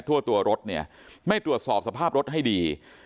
ทั่วตัวรถเนี่ยไม่ตรวจสอบสภาพรถให้ดี